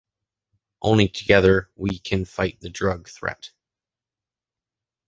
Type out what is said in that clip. Only together we can fight the drug threat.